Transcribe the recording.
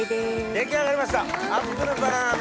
出来上がりました。